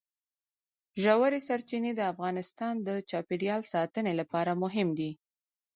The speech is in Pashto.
ژورې سرچینې د افغانستان د چاپیریال ساتنې لپاره مهم دي.